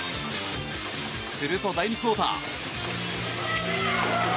すると、第２クオーター。